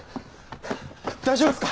大丈夫っすか？